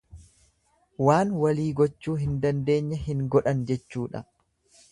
Waan walii gochuu hin dandeenye hin godhan jechuudha.